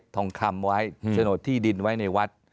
ทองคำไว้โฉนดที่ดินไว้ในวัด